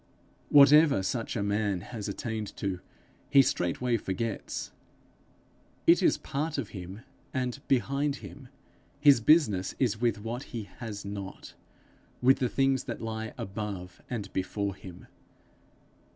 Whatever such a man has attained to, he straightway forgets; it is part of him and behind him; his business is with what he has not, with the things that lie above and before him.